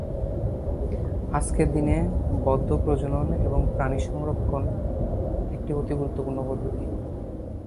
আজকের দিনে বদ্ধ প্রজনন এবং প্রাণী সংরক্ষণ একটি অতি গুরুত্বপূর্ণ পদ্ধতি।